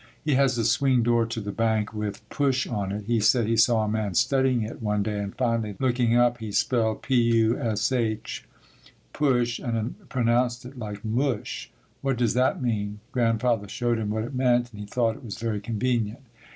He has a swing door to the bank with "Push" on it. He said he saw a man studying it one day and finally looking up he spelled p u s h, push (and pronounced it like mush). "What does that mean?" Grandfather showed him what it meant and he thought it was very convenient.